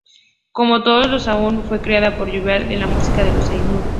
Como todos los Ainur, fue creada por Ilúvatar en la Música de los Ainur.